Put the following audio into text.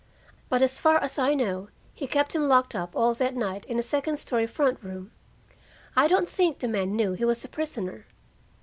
But as far as I know, he kept him locked up all that night in the second story front room. I don't think the man knew he was a prisoner.